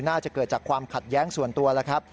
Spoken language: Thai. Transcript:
น่าจะเกิดจากความขัดแย้งส่วนตัวแล้วครับ